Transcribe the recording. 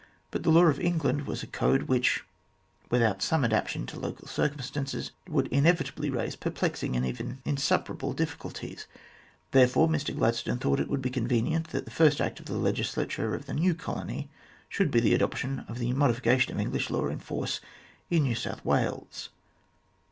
But the law of England was a code which, without some adaptation to local circumstances, would inevitably raise perplexing and even insuperable difficulties, and therefore Mr Glad stone thought it would be convenient that the first act of the legislature of the new colony should be the adoption of the modification of English law in force in New South Wales.